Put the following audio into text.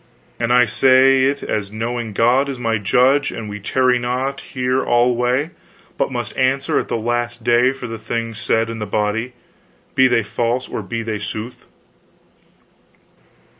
"And I say it as knowing God is my judge, and we tarry not here alway, but must answer at the last day for the things said in the body, be they false or be they sooth."